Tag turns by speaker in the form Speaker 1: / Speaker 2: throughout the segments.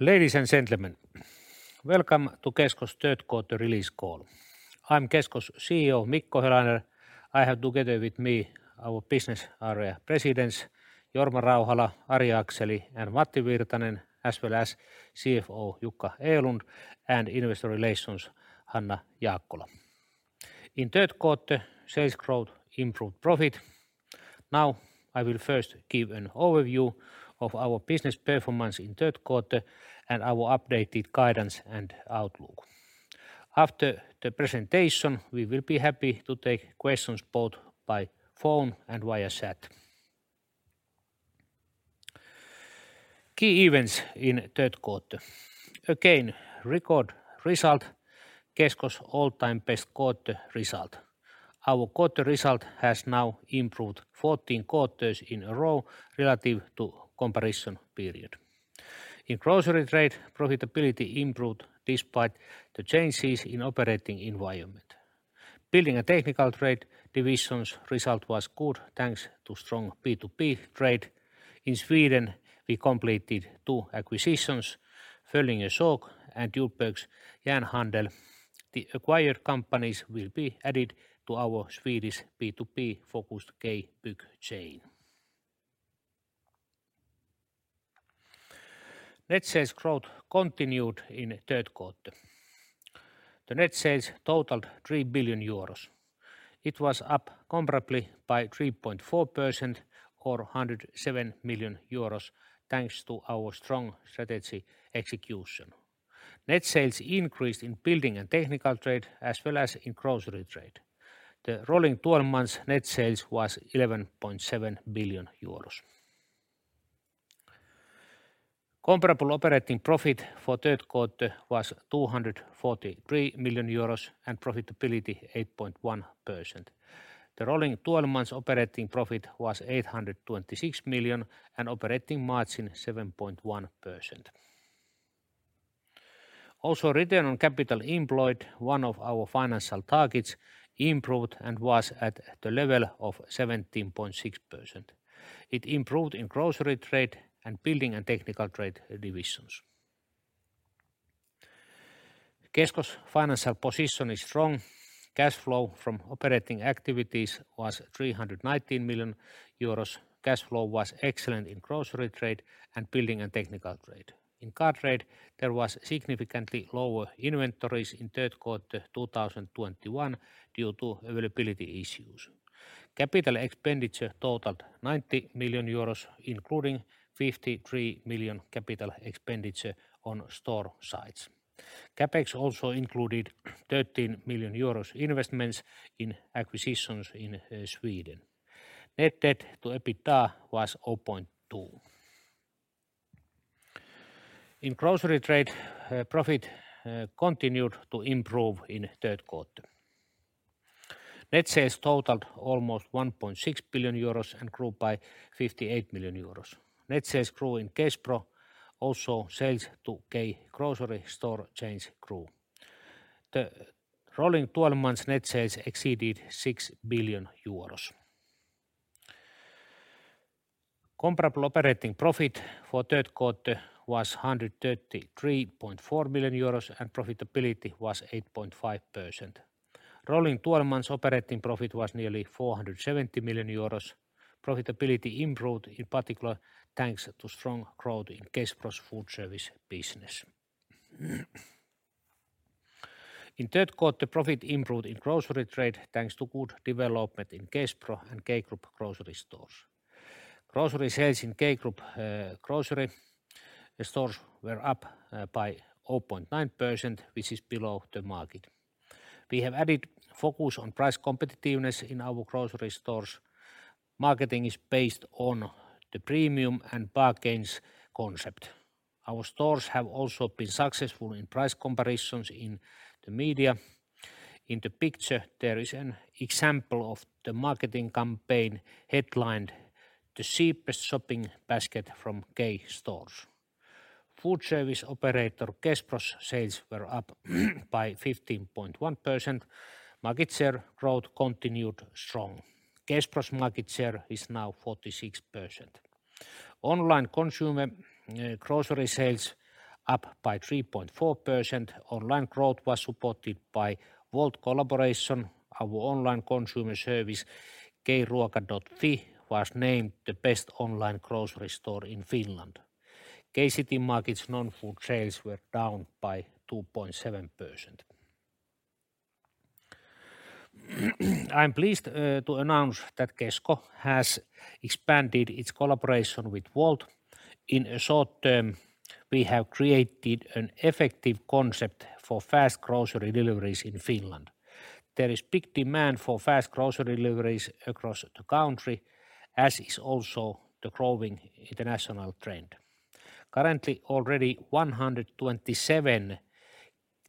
Speaker 1: Ladies and gentlemen, welcome to Kesko's Q3 release call. I'm Kesko's CEO, Mikko Helander. I have together with me our business area presidents, Jorma Rauhala, Ari Akseli, and Matti Virtanen, as well as CFO Jukka Erlund and Investor Relations Hanna Jaakkola. In Q3, sales growth improved profit. Now, I will first give an overview of our business performance in Q3 and our updated guidance and outlook. After the presentation, we will be happy to take questions both by phone and via chat. Key events in Q3. Again, record result, Kesko's all-time best quarter result. Our quarter result has now improved 14 quarters in a row relative to comparison period. In grocery trade, profitability improved despite the changes in operating environment. Building and Technical Trade Division's result was good thanks to strong B2B trade. In Sweden, we completed two acquisitions, Föllinge Såg and Djurbergs Järnhandel. The acquired companies will be added to our Swedish B2B-focused K-Bygg chain. Net sales growth continued in Q3. The net sales totaled EUR 3 billion. It was up comparable by 3.4% or 107 million euros, thanks to our strong strategy execution. Net sales increased in building and technical trade as well as in grocery trade. The rolling twelve months net sales was 11.7 billion euros. Comparable operating profit for Q3 was 243 million euros and profitability 8.1%. The rolling twelve months operating profit was 826 million and operating margin 7.1%. Also, return on capital employed, one of our financial targets, improved and was at the level of 17.6%. It improved in grocery trade and building and technical trade divisions. Kesko's financial position is strong. Cash flow from operating activities was 319 million euros. Cash flow was excellent in grocery trade and building and technical trade. In car trade, there was significantly lower inventories in Q3 2021 due to availability issues. Capital expenditure totaled 90 million euros, including 53 million capital expenditure on store sites. CapEx also included 13 million euros investments in acquisitions in Sweden. Net debt to EBITDA was 0.2. In grocery trade, profit continued to improve in Q3. Net sales totaled almost 1.6 billion euros and grew by 58 million euros. Net sales grew in Kespro. Also, sales to K Grocery store chains grew. The rolling twelve months net sales exceeded 6 billion euros. Comparable operating profit for Q3 was 133.4 million euros and profitability was 8.5%. Rolling twelve months operating profit was nearly 470 million euros. Profitability improved in particular thanks to strong growth in Kespro's food service business. In Q3, profit improved in grocery trade thanks to good development in Kespro and K Group grocery stores. Grocery sales in K Group grocery stores were up by 0.9%, which is below the market. We have added focus on price competitiveness in our grocery stores. Marketing is based on the premium and bargains concept. Our stores have also been successful in price comparisons in the media. In the picture, there is an example of the marketing campaign headlined the cheapest shopping basket from K Stores. Food service operator Kespro's sales were up by 15.1%. Market share growth continued strong. Kespro's market share is now 46%. Online consumer grocery sales up by 3.4%. Online growth was supported by Wolt collaboration. Our online consumer service, K-Ruoka.fi, was named the best online grocery store in Finland. K-Citymarket's non-food sales were down by 2.7%. I'm pleased to announce that Kesko has expanded its collaboration with Wolt. In a short term, we have created an effective concept for fast grocery deliveries in Finland. There is big demand for fast grocery deliveries across the country, as is also the growing international trend. Currently, already 127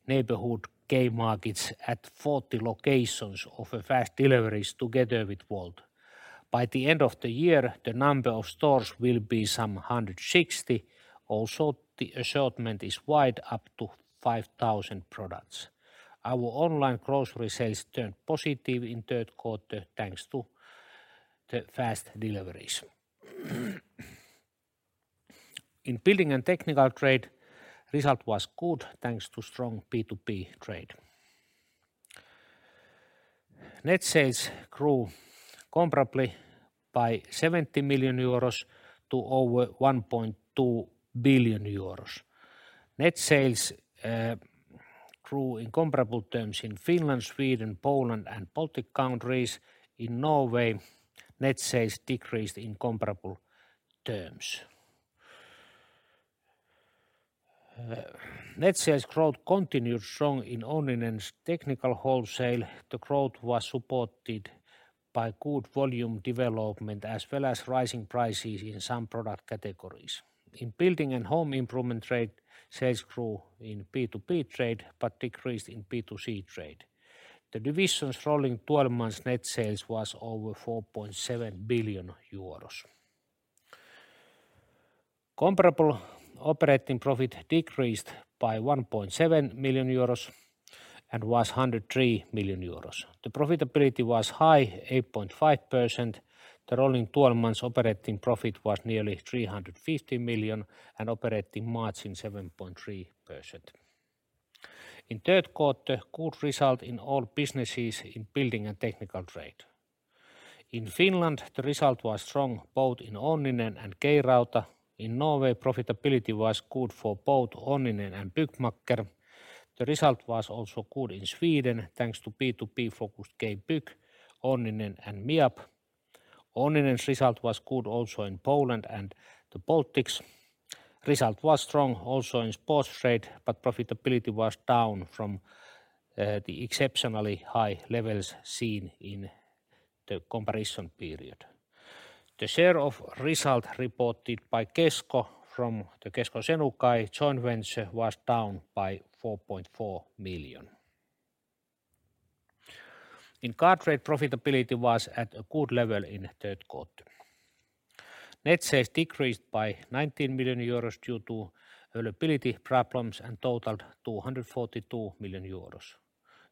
Speaker 1: neighborhood K markets at 40 locations offer fast deliveries together with Wolt. By the end of the year, the number of stores will be some 160. Also, the assortment is wide, up to 5,000 products. Our online grocery sales turned positive in Q3, thanks to the fast deliveries. In building and technical trade, result was good thanks to strong B2B trade. Net sales grew comparably by 70 million euros to over 1.2 billion euros. Net sales grew in comparable terms in Finland, Sweden, Poland and Baltic countries. In Norway, net sales decreased in comparable terms. Net sales growth continued strong in Onninen's technical wholesale. The growth was supported by good volume development as well as rising prices in some product categories. In building and home improvement trade, sales grew in B2B trade but decreased in B2C trade. The division's rolling twelve months net sales was over 4.7 billion euros. Comparable operating profit decreased by 1.7 million euros and was 103 million euros. The profitability was high, 8.5%. The rolling twelve months operating profit was nearly 350 million and operating margin 7.3%. In Q3, good result in all businesses in building and technical trade. In Finland, the result was strong both in Onninen and K-Rauta. In Norway, profitability was good for both Onninen and Byggmakker. The result was also good in Sweden thanks to B2B-focused K-Bygg, Onninen and MIAB. Onninen's result was good also in Poland and the Baltics. Result was strong also in sports trade, but profitability was down from the exceptionally high levels seen in the comparison period. The share of result reported by Kesko from the Kesko Senukai joint venture was down by 4.4 million. In car trade, profitability was at a good level in Q3. Net sales decreased by 19 million euros due to availability problems and totaled 242 million euros.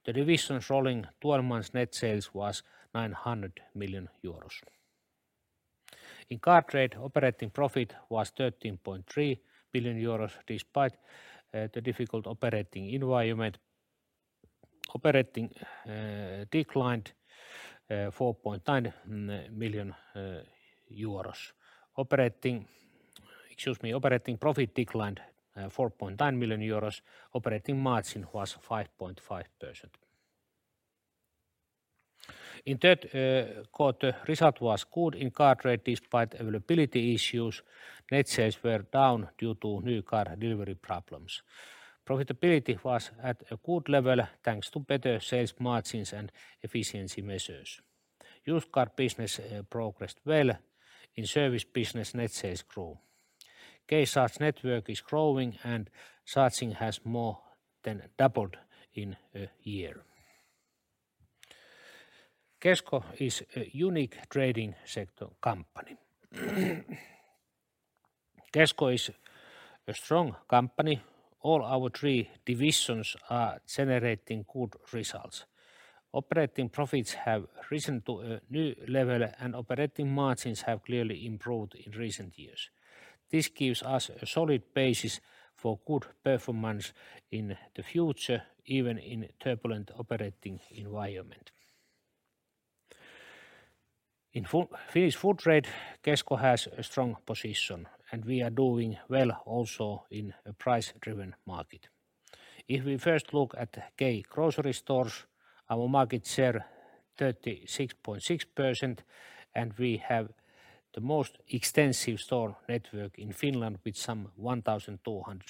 Speaker 1: The division's rolling twelve months net sales was 900 million euros. In car trade, operating profit was 13.3 billion euros despite the difficult operating environment. Operating profit declined EUR 4.9 million. Operating margin was 5.5%. In Q3, result was good in car trade despite availability issues. Net sales were down due to new car delivery problems. Profitability was at a good level thanks to better sales margins and efficiency measures. Used car business progressed well. In service business, net sales grew. K Charge network is growing and charging has more than doubled in a year. Kesko is a unique trading sector company. Kesko is a strong company. All our three divisions are generating good results. Operating profits have risen to a new level and operating margins have clearly improved in recent years. This gives us a solid basis for good performance in the future, even in turbulent operating environment. In Finnish food trade, Kesko has a strong position, and we are doing well also in a price-driven market. If we first look at K grocery stores, our market share 36.6%, and we have the most extensive store network in Finland with some 1,200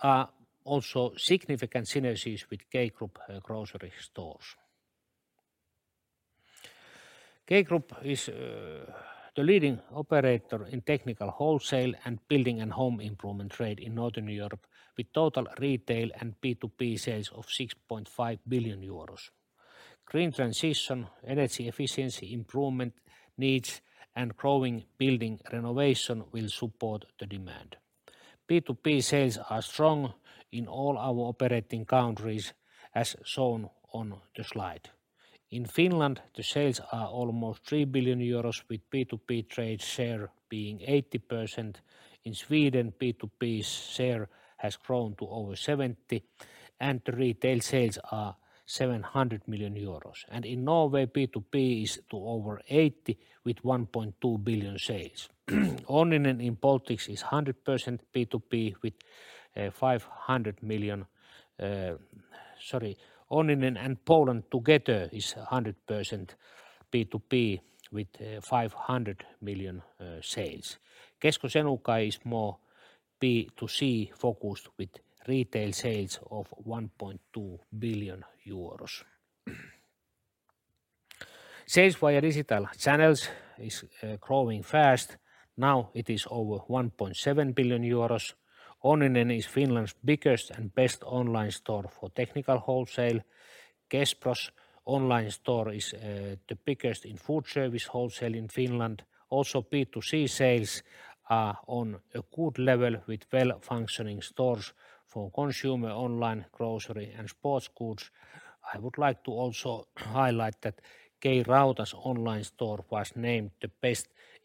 Speaker 1: stores.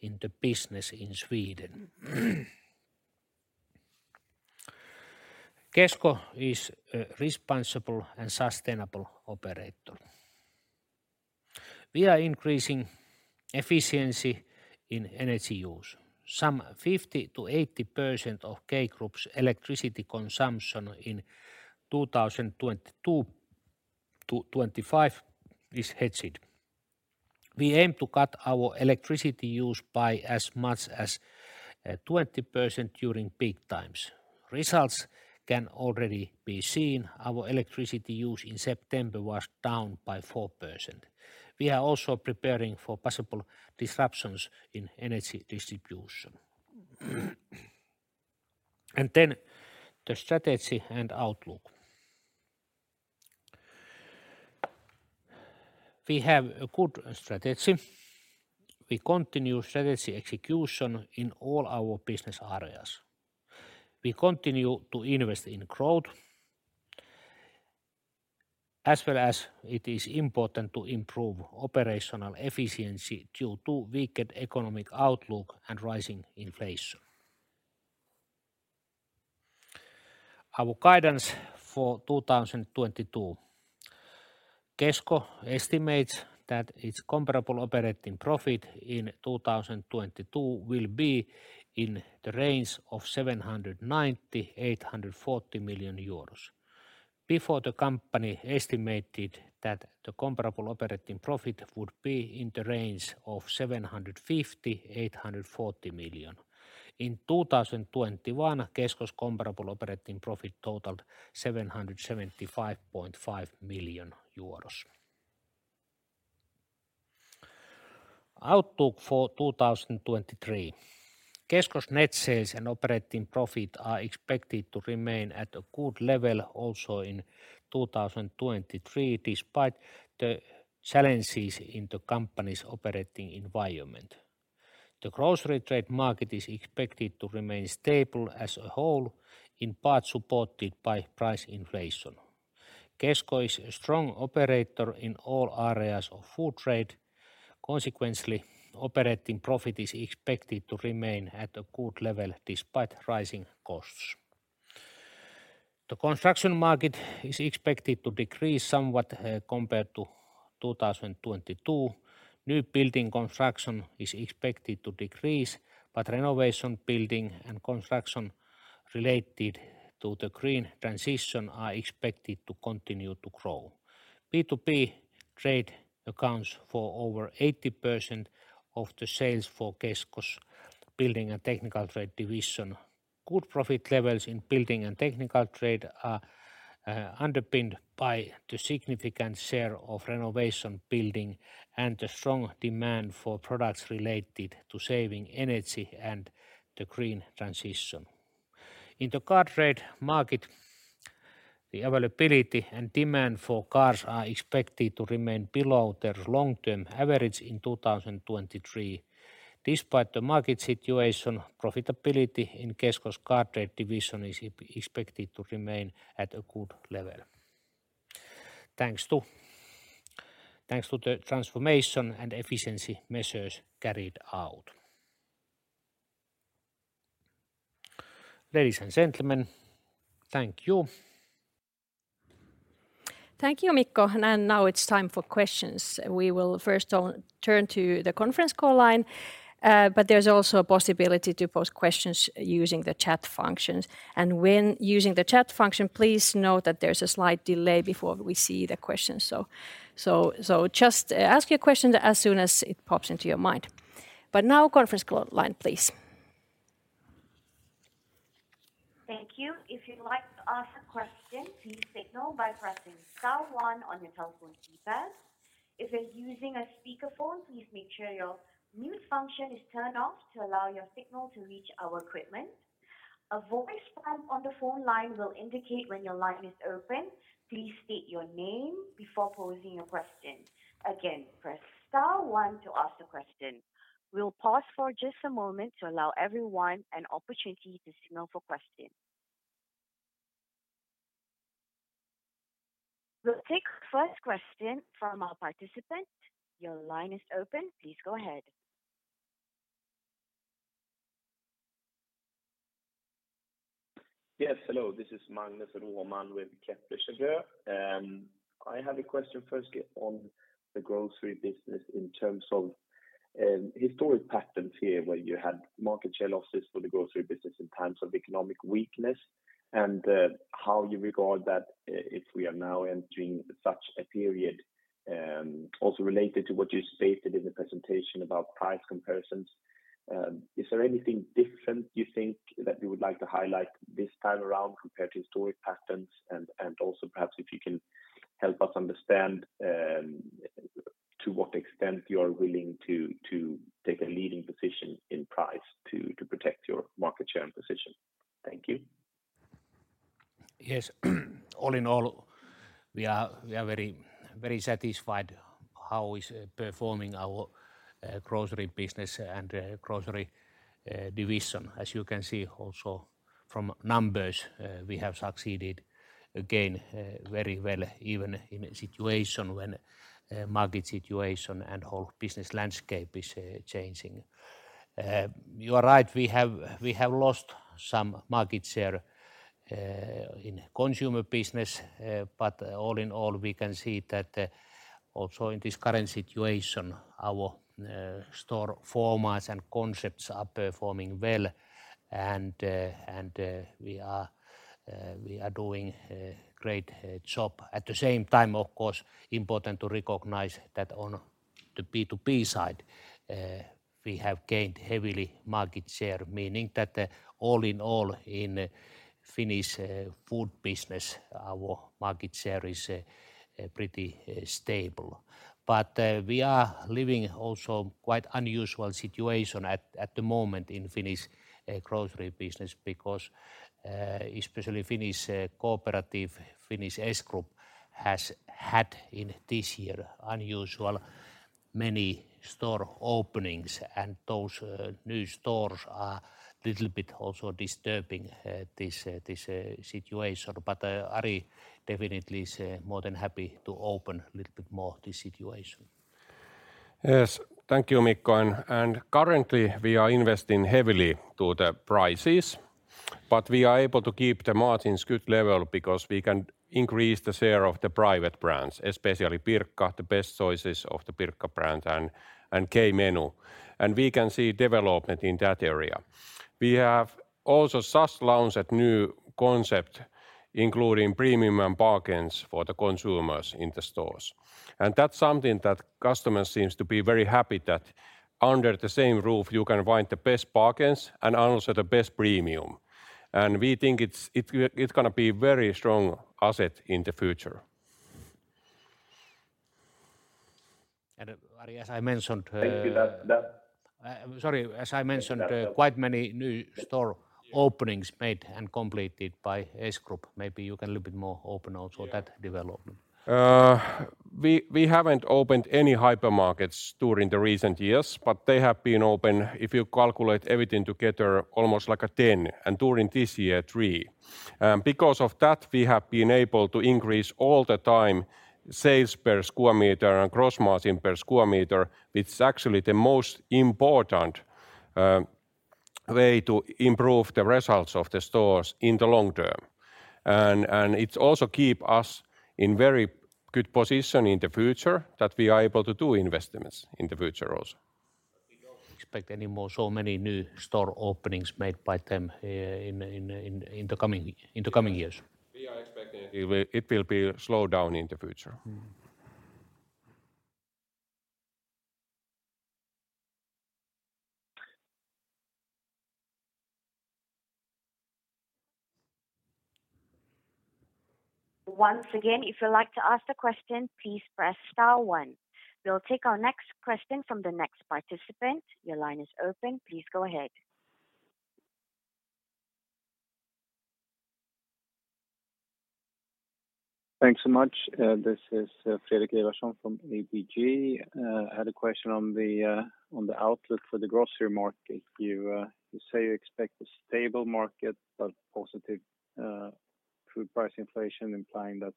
Speaker 1: in the business in Sweden. Kesko is a responsible and sustainable operator. We are increasing efficiency in energy use. Some 50%-80% of K Group's electricity consumption in 2022-2025 is hedged. We aim to cut our electricity use by as much as twenty percent during peak times. Results can already be seen. Our electricity use in September was down by 4%. We are also preparing for possible disruptions in energy distribution. The strategy and outlook. We have a good strategy. We continue strategy execution in all our business areas. We continue to invest in growth as well as it is important to improve operational efficiency due to weakened economic outlook and rising inflation. Our guidance for 2022. Kesko estimates that its comparable operating profit in 2022 will be in the range of 790 million-840 million euros. Before the company estimated that the comparable operating profit would be in the range of 750 million-840 million. In 2021, Kesko's comparable operating profit totaled EUR 775.5 million. Outlook for 2023. Kesko's net sales and operating profit are expected to remain at a good level also in 2023, despite the challenges in the company's operating environment. The grocery trade market is expected to remain stable as a whole, in part supported by price inflation. Kesko is a strong operator in all areas of food trade. Consequently, operating profit is expected to remain at a good level despite rising costs. The construction market is expected to decrease somewhat compared to 2022. New building construction is expected to decrease, but renovation building and construction related to the green transition are expected to continue to grow. B2B trade accounts for over 80% of the sales for Kesko's building and technical trade division. Good profit levels in building and technical trade are underpinned by the significant share of renovation building and the strong demand for products related to saving energy and the green transition. In the car trade market, the availability and demand for cars are expected to remain below their long-term average in 2023. Despite the market situation, profitability in Kesko's car trade division is expected to remain at a good level thanks to the transformation and efficiency measures carried out. Ladies and gentlemen, thank you.
Speaker 2: Thank you, Mikko. Now it's time for questions. We will first turn to the conference call line, but there's also a possibility to post questions using the chat function. When using the chat function, please note that there's a slight delay before we see the question. So just ask your question as soon as it pops into your mind. Now conference call line, please.
Speaker 3: Thank you. If you'd like to ask a question, please signal by pressing star one on your telephone keypad. If you're using a speakerphone, please make sure your mute function is turned off to allow your signal to reach our equipment. A voice prompt on the phone line will indicate when your line is open. Please state your name before posing your question. Again, press star one to ask a question. We'll pause for just a moment to allow everyone an opportunity to signal for a question. We'll take the first question from our participant. Your line is open. Please go ahead.
Speaker 4: Yes. Hello. This is Magnus Norman with. I have a question first, yeah, on the grocery business in terms of historic patterns here where you had market share losses for the grocery business in times of economic weakness and how you regard that if we are now entering such a period. Also related to what you stated in the presentation about price comparisons, is there anything different you think that you would like to highlight this time around compared to historic patterns? Also perhaps if you can help us understand to what extent you are willing to take a leading position in price to protect your market share and position. Thank you.
Speaker 1: Yes. All in all, we are very satisfied with how our grocery business and grocery division is performing. As you can see also from numbers, we have succeeded again very well even in a situation when market situation and whole business landscape is changing. You are right, we have lost some market share in consumer business. All in all, we can see that also in this current situation our store formats and concepts are performing well and we are doing a great job. At the same time, of course, important to recognize that on the B2B side we have gained heavily market share, meaning that all in all in Finnish food business our market share is pretty stable. We are living also quite unusual situation at the moment in Finnish grocery business because especially Finnish cooperative, Finnish S Group has had in this year unusually many store openings and those new stores are little bit also disturbing this situation. Ari definitely is more than happy to open a little bit more this situation.
Speaker 5: Yes. Thank you, Mikko. Currently we are investing heavily into the prices, but we are able to keep the margins good level because we can increase the share of the private brands, especially Pirkka the best choices of the Pirkka brand and K-Menu, and we can see development in that area. We have also just launched a new concept including premium and bargains for the consumers in the stores. That's something that customers seems to be very happy that under the same roof you can find the best bargains and also the best premium. We think it's gonna be very strong asset in the future.
Speaker 1: Ari, as I mentioned,
Speaker 4: Thank you.
Speaker 1: Sorry. As I mentioned.
Speaker 4: That.
Speaker 1: Quite many new store openings made and completed by S Group. Maybe you can a little bit more open also that development.
Speaker 5: We haven't opened any hypermarkets during the recent years, but they have been opened, if you calculate everything together, almost like 10, and during this year, 3. Because of that, we have been able to increase all the time sales per square meter and gross margin per square meter. It's actually the most important way to improve the results of the stores in the long term. It also keep us in very good position in the future that we are able to do investments in the future also.
Speaker 1: We don't expect any more so many new store openings made by them in the coming years.
Speaker 5: We are expecting it will be slowed down in the future.
Speaker 1: Mm-hmm.
Speaker 3: Once again, if you'd like to ask a question, please press star one. We'll take our next question from the next participant. Your line is open. Please go ahead.
Speaker 6: Thanks so much. This is Fredrik Ivarsson from ABG Sundal Collier. Had a question on the outlook for the grocery market. You say you expect a stable market but positive food price inflation, implying that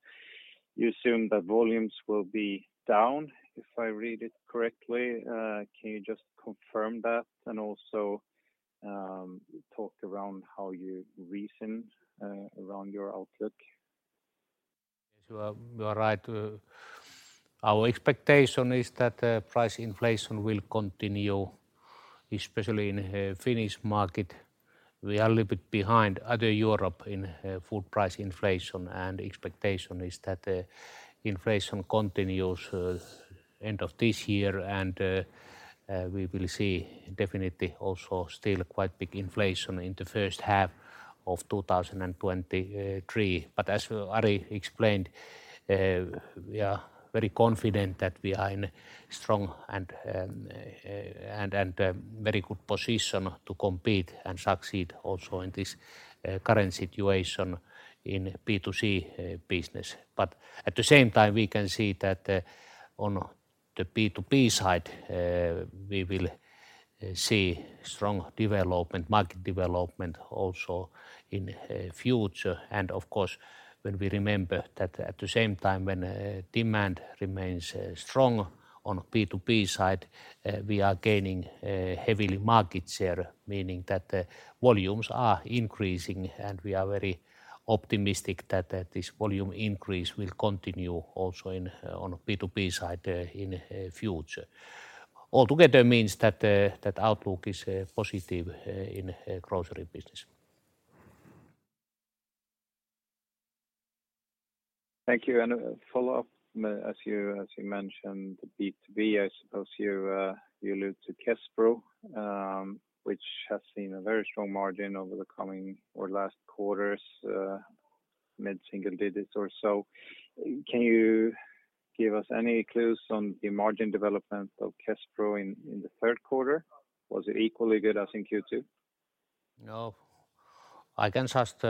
Speaker 6: you assume that volumes will be down, if I read it correctly. Can you just confirm that and also talk around how you reason around your outlook?
Speaker 1: Yes, you are right. Our expectation is that price inflation will continue, especially in Finnish market. We are a little bit behind other Europe in food price inflation, and expectation is that inflation continues end of this year and we will see definitely also still quite big inflation in the first half of 2023. As Ari explained, we are very confident that we are in strong and very good position to compete and succeed also in this current situation in B2C business. At the same time, we can see that on the B2B side, we will see strong development, market development also in future. Of course, when we remember that at the same time when demand remains strong on B2B side, we are gaining heavily market share, meaning that the volumes are increasing, and we are very optimistic that this volume increase will continue also in on B2B side in future. Altogether means that outlook is positive in grocery business.
Speaker 6: Thank you. A follow-up, as you mentioned, the B2B, I suppose you allude to Kespro, which has seen a very strong margin over the coming or last quarters, mid-single digits or so. Can you give us any clues on the margin development of Kespro in the Q3? Was it equally good as in Q2?
Speaker 1: No. I can just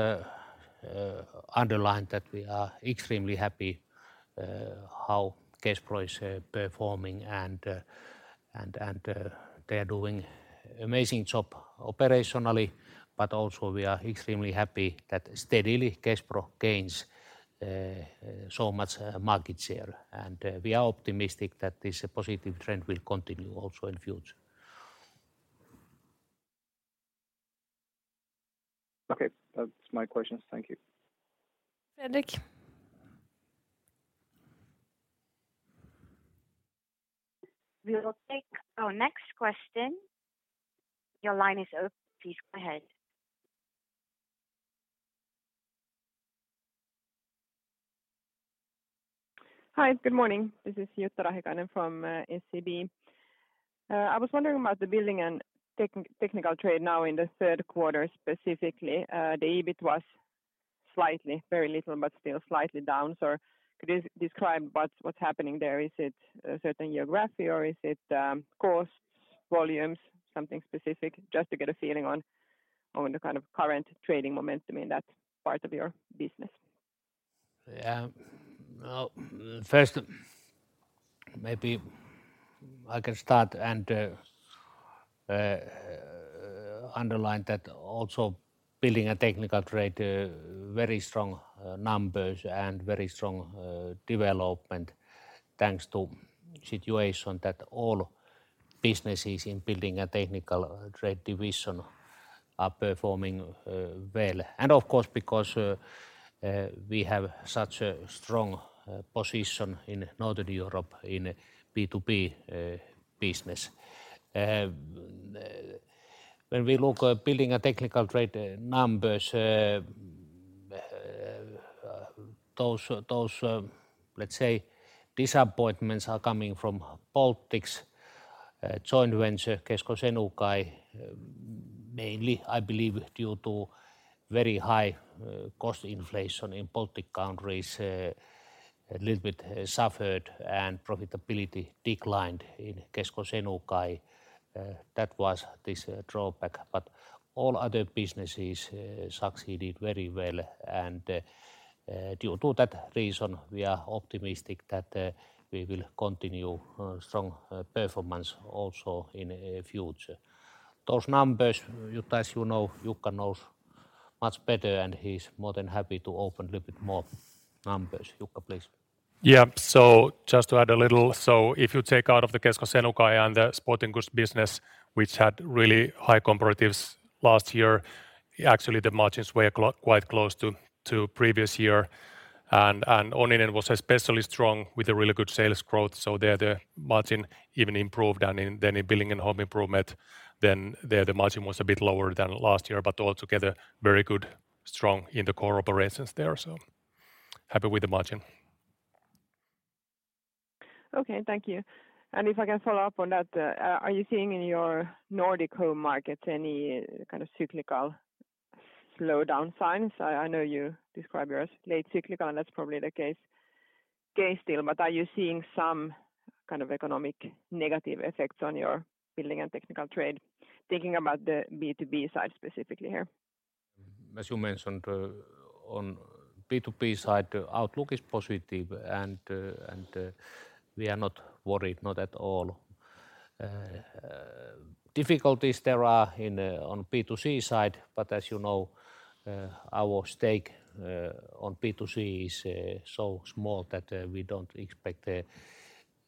Speaker 1: underline that we are extremely happy how Kespro is performing and they are doing amazing job operationally, but also we are extremely happy that steadily Kespro gains so much market share. We are optimistic that this positive trend will continue also in future.
Speaker 6: Okay. That's my questions. Thank you.
Speaker 4: Frederick.
Speaker 3: We'll take our next question. Your line is open. Please go ahead.
Speaker 7: Hi. Good morning. This is Jutta Rahikainen from SEB. I was wondering about the building and technical trade now in the Q3 specifically. The EBIT was slightly, very little, but still slightly down. Could you describe what's happening there? Is it a certain geography or is it costs, volumes, something specific? Just to get a feeling on the kind of current trading momentum in that part of your business.
Speaker 1: Yeah. Well, first, maybe I can start and underline that also building and technical trade very strong numbers and very strong development, thanks to situation that all businesses in building and technical trade division are performing well. Of course, because we have such a strong position in Northern Europe in B2B business. When we look at building and technical trade numbers, those let's say disappointments are coming from Baltics joint venture, Kesko Senukai, mainly, I believe, due to very high cost inflation in Baltic countries, a little bit suffered and profitability declined in Kesko Senukai. That was this drawback. All other businesses succeeded very well. Due to that reason, we are optimistic that we will continue strong performance also in future. Those numbers, Jutta, as Jukka knows much better, and he's more than happy to open a little bit more numbers. Jukka, please.
Speaker 8: Yeah. Just to add a little. If you take out of the Kesko Senukai and the sporting goods business, which had really high comparatives last year, actually the margins were quite close to previous year. Onninen was especially strong with a really good sales growth, so there the margin even improved. In building and home improvement, then there the margin was a bit lower than last year. Altogether, very good, strong in the core operations there. Happy with the margin.
Speaker 7: Okay. Thank you. If I can follow up on that, are you seeing in your Nordic home market any kind of cyclical slowdown signs? I know you describe yourself as late cyclical, and that's probably the case still. Are you seeing some kind of economic negative effects on your building and technical trade? Thinking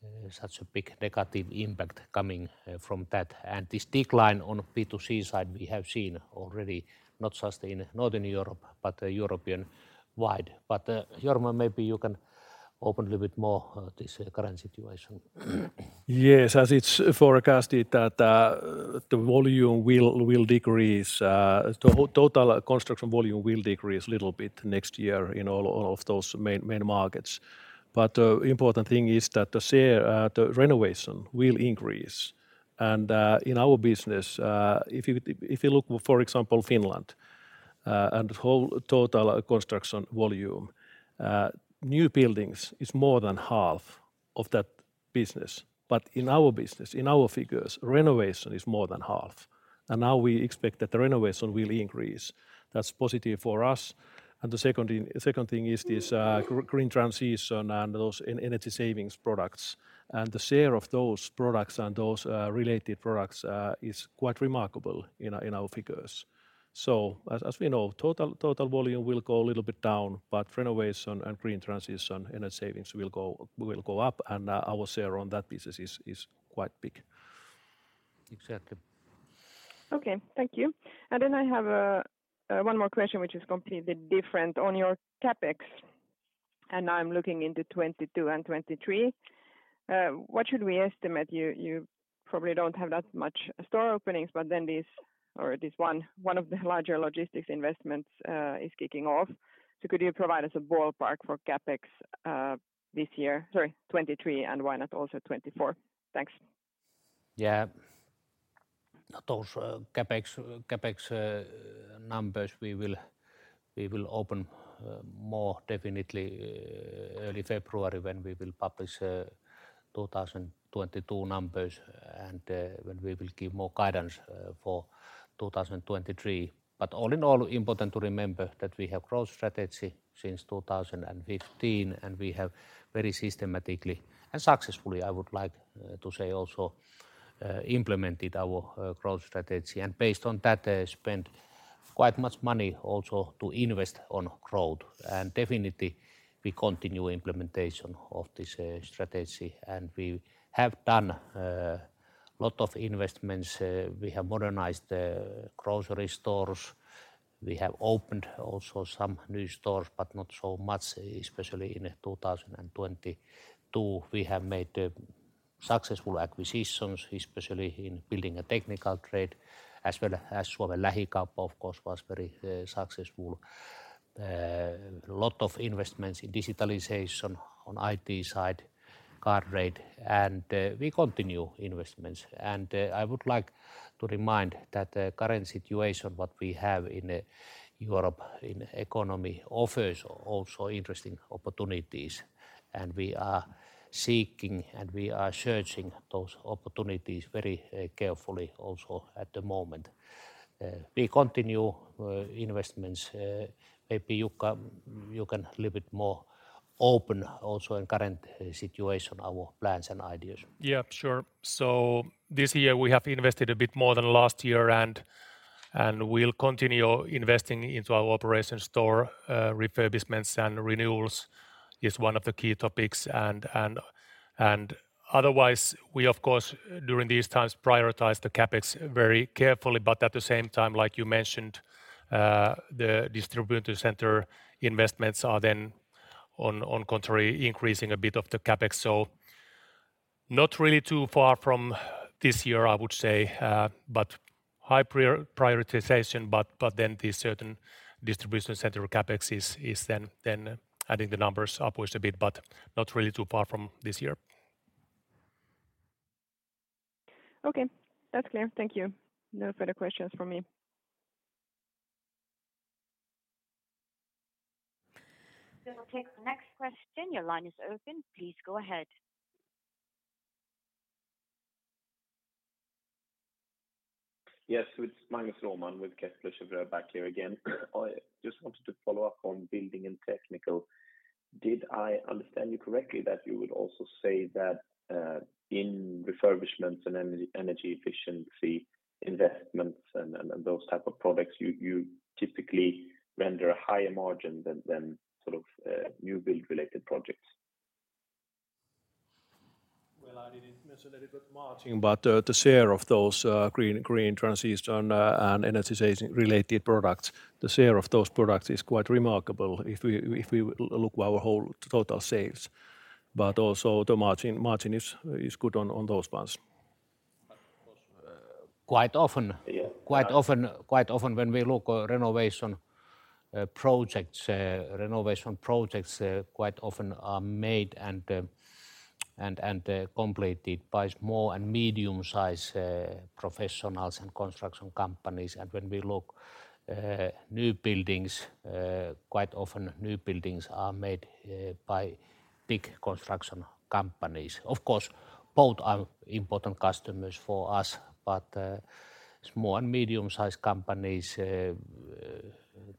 Speaker 7: about
Speaker 9: The second thing is this green transition and those energy savings products, and the share of those products and those related products is quite remarkable in our figures. As we know, total volume will go a little bit down, but renovation and green transition energy savings will go up, and our share on that business is quite big.
Speaker 1: Exactly.
Speaker 7: Okay. Thank you. I have one more question which is completely different. On your CapEx, and I'm looking into 2022 and 2023, what should we estimate? You probably don't have that much store openings, but then this one of the larger logistics investments, is kicking off. Could you provide us a ballpark for CapEx, this year, sorry, 2023 and why not also 2024? Thanks.
Speaker 1: Yeah. Those CapEx numbers, we will open more definitely early February when we will publish 2022 numbers and when we will give more guidance for 2023. All in all, important to remember that we have growth strategy since 2015, and we have very systematically and successfully, I would like to say also, implemented our growth strategy. Based on that, spent quite much money also to invest on growth. Definitely we continue implementation of this strategy, and we have done lot of investments. We have modernized the grocery stores. We have opened also some new stores, but not so much, especially in 2022. We have made successful acquisitions, especially in building and technical trade as well as Suomen Lähikauppa, of course, was very successful. Lot of investments in digitalization on IT side, car trade, and we continue investments. I would like to remind that the current situation what we have in Europe in economy offers also interesting opportunities, and we are seeking and we are searching those opportunities very carefully also at the moment. We continue investments. Maybe Jukka, you can a little bit more open also in current situation our plans and ideas.
Speaker 8: Yeah, sure. This year we have invested a bit more than last year and we'll continue investing into our store operations. Refurbishments and renewals is one of the key topics. Otherwise, we of course during these times prioritize the CapEx very carefully, but at the same time, like you mentioned, the distribution center investments are then on the contrary increasing a bit of the CapEx. Not really too far from this year, I would say. But high prioritization, but then the certain distribution center CapEx is then adding the numbers upwards a bit, but not really too far from this year.
Speaker 7: Okay. That's clear. Thank you. No further questions from me.
Speaker 3: We'll take the next question. Your line is open. Please go ahead.
Speaker 4: Yes. It's Magnus Norman with Kepler Cheuvreux back here again. I just wanted to follow up on building and technical. Did I understand you correctly that you would also say that in refurbishments and energy efficiency investments and those type of products, you typically render a higher margin than sort of new build related projects?
Speaker 9: Well, I didn't mention it with margin, but the share of those green transition and energy saving related products, the share of those products is quite remarkable if we look our whole total sales. Also the margin is good on those ones.
Speaker 1: Of course, quite often.
Speaker 4: Yeah
Speaker 1: Quite often when we look renovation projects, quite often are made and completed by small and medium-sized professionals and construction companies. When we look new buildings, quite often new buildings are made by big construction companies. Of course, both are important customers for us, but small and medium-sized companies,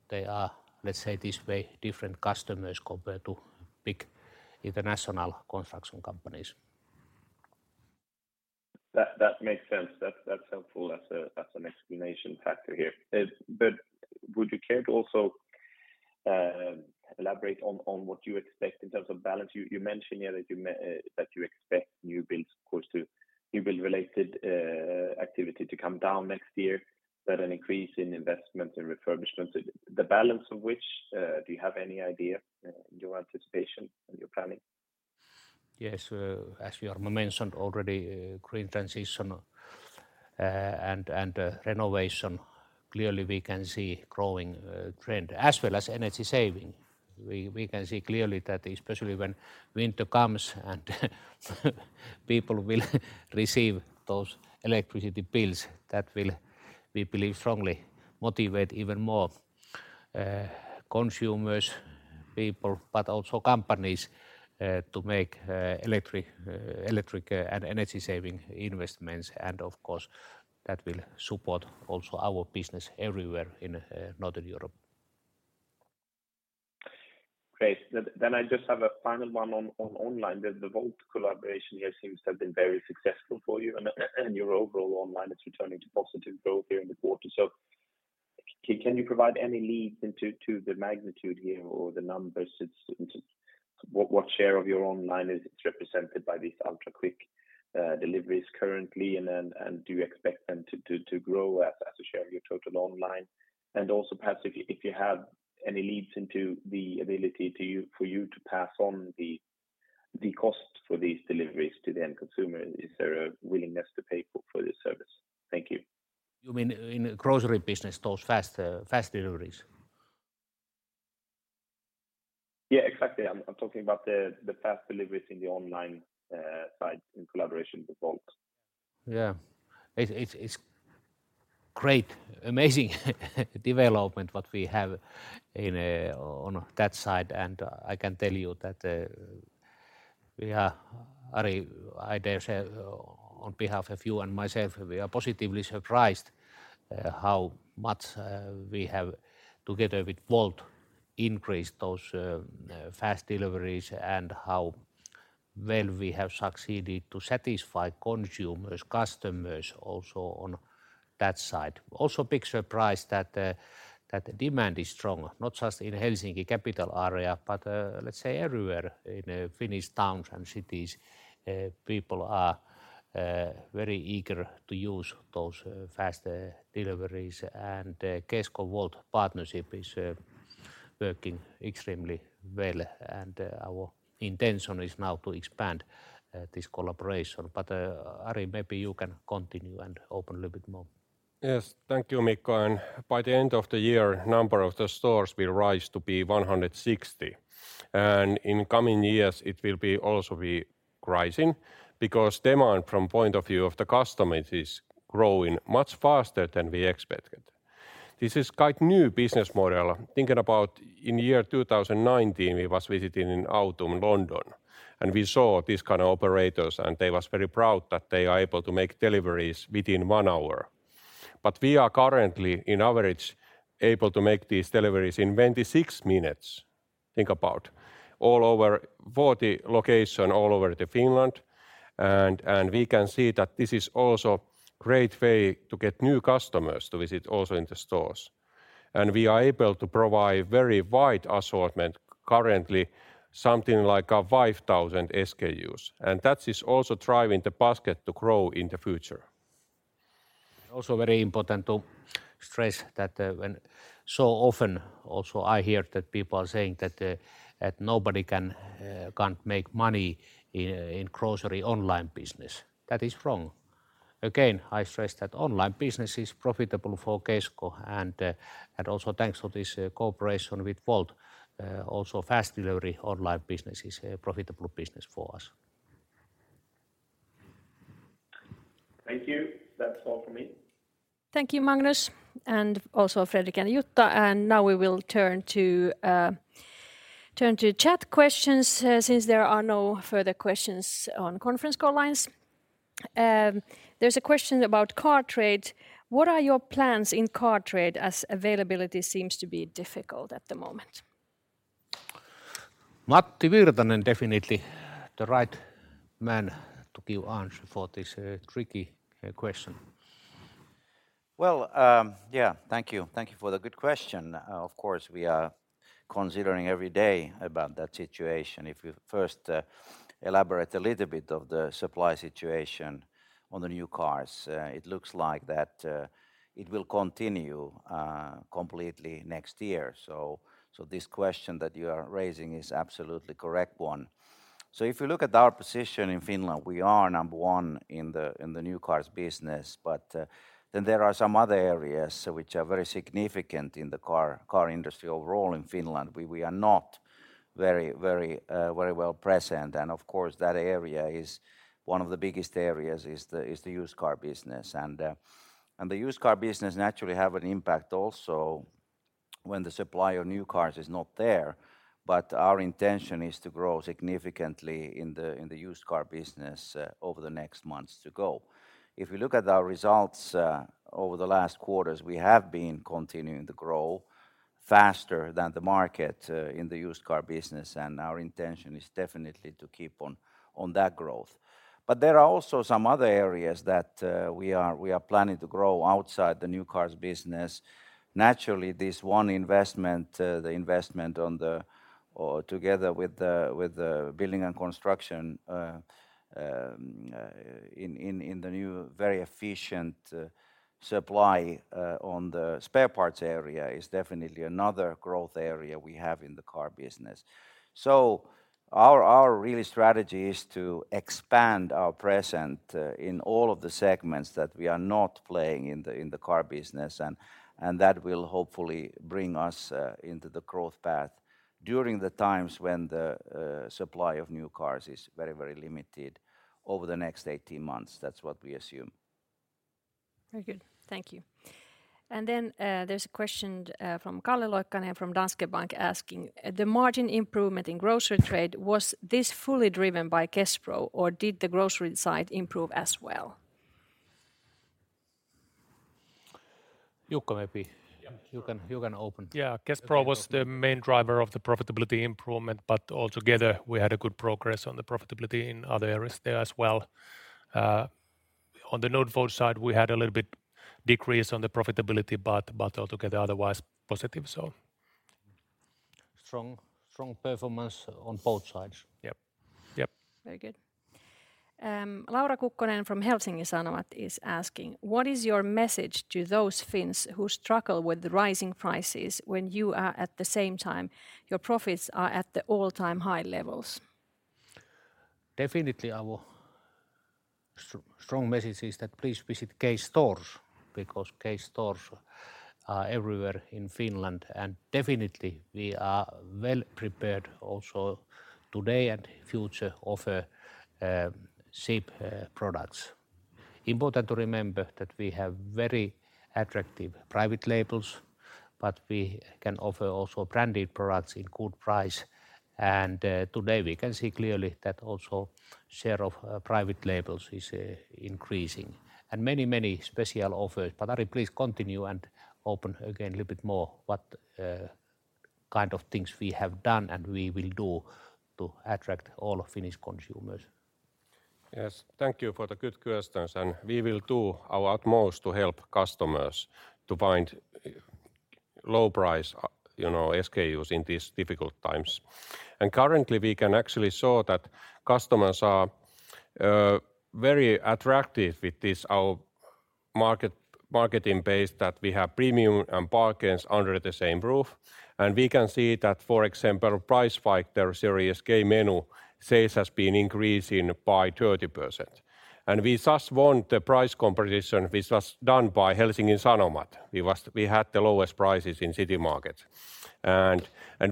Speaker 1: they are, let's say this way, different customers compared to big international construction companies.
Speaker 4: That makes sense. That's helpful. That's an explanation factor here. Would you care to also elaborate on what you expect in terms of balance? You mentioned that you expect new builds of course to new build related activity to come down next year, but an increase in investment in refurbishments. The balance of which do you have any idea in your anticipation and your planning?
Speaker 1: Yes. As Jorma mentioned already, green transition and renovation clearly we can see growing trend as well as energy saving. We can see clearly that especially when winter comes and people will receive those electricity bills, that will, we believe strongly, motivate even more people, but also companies, to make electric and energy-saving investments. Of course, that will support also our business everywhere in Northern Europe.
Speaker 4: Great. I just have a final one on online. The Wolt collaboration here seems to have been very successful for you and your overall online is returning to positive growth here in the quarter. Can you provide any insights into the magnitude here or the numbers into what share of your online is represented by these ultra-quick deliveries currently? Do you expect them to grow as a share of your total online? Also perhaps if you have any insights into the ability for you to pass on the cost for these deliveries to the end consumer. Is there a willingness to pay for this service? Thank you.
Speaker 1: You mean in the grocery business, those fast deliveries?
Speaker 4: Yeah, exactly. I'm talking about the fast deliveries in the online side in collaboration with Wolt.
Speaker 1: Yeah. It's great, amazing development what we have in on that side. I can tell you that we are Ari, I dare say on behalf of you and myself, we are positively surprised how much we have together with Wolt increased those fast deliveries and how well we have succeeded to satisfy consumers, customers also on that side. Also big surprise that that demand is strong, not just in Helsinki capital area, but let's say everywhere in Finnish towns and cities. People are very eager to use those fast deliveries. Kesko-Wolt partnership is working extremely well. Our intention is now to expand this collaboration. Ari, maybe you can continue and open a little bit more.
Speaker 5: Yes. Thank you, Mikko. By the end of the year, number of the stores will rise to be 160. In coming years, it will also be rising because demand from point of view of the customers is growing much faster than we expected. This is quite new business model. Thinking about in year 2019, we was visiting in autumn London, and we saw these kind of operators, and they was very proud that they are able to make deliveries within one hour. But we are currently in average able to make these deliveries in 26 minutes. Think about all over 40 location all over the Finland and we can see that this is also great way to get new customers to visit also in the stores. We are able to provide very wide assortment currently something like, 5,000 SKUs, and that is also driving the basket to grow in the future.
Speaker 1: Also very important to stress that often also I hear that people are saying that nobody can make money in grocery online business. That is wrong. Again, I stress that online business is profitable for Kesko and also thanks to this cooperation with Wolt, also fast delivery online business is a profitable business for us.
Speaker 4: Thank you. That's all for me.
Speaker 2: Thank you, Magnus, and also Fredrik and Jutta. Now we will turn to chat questions, since there are no further questions on conference call lines. There's a question about car trade. What are your plans in car trade as availability seems to be difficult at the moment?
Speaker 1: Matti Virtanen, definitely the right man to give answer for this tricky question.
Speaker 10: Well, yeah. Thank you. Thank you for the good question. Of course, we are considering every day about that situation. If you first elaborate a little bit of the supply situation on the new cars, it looks like that it will continue completely next year. This question that you are raising is absolutely correct one. If you look at our position in Finland, we are number one in the new cars business, but then there are some other areas which are very significant in the car industry overall in Finland. We are not very well present. Of course, that area is one of the biggest areas is the used car business. The used car business naturally has an impact also when the supply of new cars is not there. Our intention is to grow significantly in the used car business over the next months to go. If you look at our results over the last quarters, we have been continuing to grow faster than the market in the used car business, and our intention is definitely to keep on that growth. There are also some other areas that we are planning to grow outside the new cars business. Naturally, this one investment, the investment or together with the building and construction in the new very efficient supply on the spare parts area is definitely another growth area we have in the car business. Our really strategy is to expand our presence in all of the segments that we are not playing in the car business, and that will hopefully bring us into the growth path during the times when the supply of new cars is very limited over the next 18 months. That's what we assume.
Speaker 2: Very good. Thank you. There's a question from Calle Loikkanen from Danske Bank asking, "The margin improvement in grocery trade, was this fully driven by Kespro, or did the grocery side improve as well?
Speaker 1: Jukka maybe.
Speaker 8: Yeah, sure.
Speaker 1: You can open.
Speaker 5: Yeah. Kespro was the main driver of the profitability improvement, but altogether we had a good progress on the profitability in other areas there as well. On the non-food side, we had a little bit decrease on the profitability, but altogether otherwise positive, so.
Speaker 1: Strong performance on both sides.
Speaker 8: Yep. Yep.
Speaker 2: Very good. Laura Kukkonen from Helsingin Sanomat is asking, "What is your message to those Finns who struggle with the rising prices when you are at the same time, your profits are at the all-time high levels?
Speaker 1: Definitely our strong message is that please visit K stores because K stores are everywhere in Finland, and definitely we are well prepared also today and future offer cheap products. Important to remember that we have very attractive private labels, but we can offer also branded products in good price. Today we can see clearly that also share of private labels is increasing. Many, many special offers. Ari Akseli, please continue and open again a little bit more what kind of things we have done and we will do to attract all Finnish consumers.
Speaker 5: Yes, thank you for the good questions, and we will do our utmost to help customers to find low price SKUs in these difficult times. Currently we can actually show that customers are very active with this our marketing base that we have premium and bargains under the same roof, and we can see that, for example, price fighter series K-Menu sales has been increasing by 30%. We just won the price competition which was done by Helsingin Sanomat. We had the lowest prices in K-Citymarket.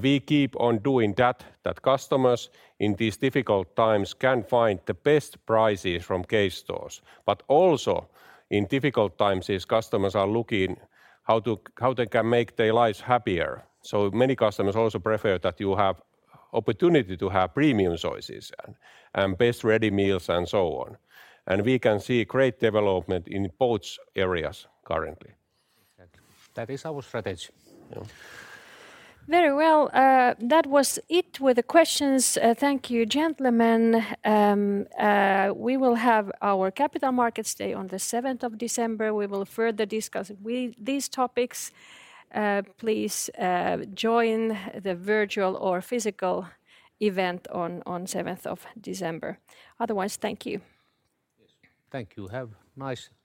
Speaker 5: We keep on doing that customers in these difficult times can find the best prices from K stores. But also in difficult times customers are looking how they can make their lives happier. Many customers also prefer that you have opportunity to have premium choices and best ready meals and so on. We can see great development in both areas currently.
Speaker 1: Thank you. That is our strategy.
Speaker 5: Yeah.
Speaker 2: Very well. That was it with the questions. Thank you, gentlemen. We will have our Capital Markets Day on the seventh of December. We will further discuss with these topics. Please join the virtual or physical event on seventh of December. Otherwise, thank you.
Speaker 1: Yes, thank you. Have a nice day.